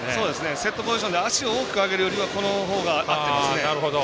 セットポジションで足を大きく上げるよりはこの方が合ってますね。